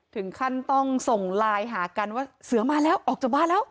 ถึงขั้นต้องส่งไลน์หากันว่าเสือมาแล้วออกจากบ้านแล้ว